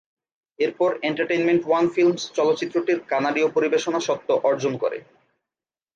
এরপর entertainment one films চলচ্চিত্রটির কানাডীয় পরিবেশনা স্বত্ব অর্জন করে।